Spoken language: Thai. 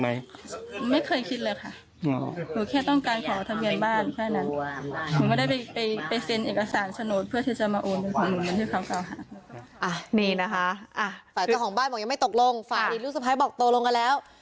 นี่นะคะฝ่ายเจ้าของบ้านบอกยังไม่ตกลงฝ่ายลูกสะพ้ายบอกโตลงกันแล้ว